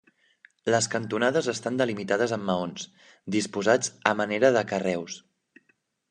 Les cantonades estan delimitades amb maons, disposats a manera de carreus.